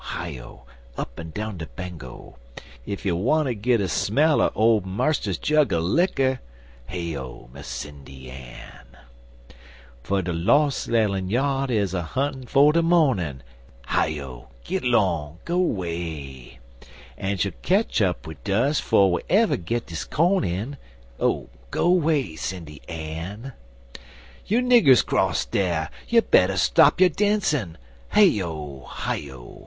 Hi O! Up'n down de Bango!) Ef you wanter git a smell er old Marster's jug er licker (Hi O, Miss Sindy Ann!) For de los' ell en yard is a huntin' for de mornin' (Hi O! git long! go 'way!) En she'll ketch up wid dus 'fo' we ever git dis corn in (Oh, go 'way, Sindy Ann!) You niggers 'cross dar! you better stop your dancin' (Hey O! Hi O!